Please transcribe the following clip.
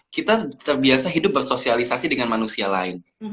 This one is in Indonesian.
kita terbiasa hidup bersosialisasi dengan manusia lain